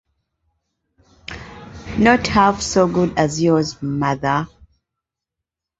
Not half so good as yours, mother.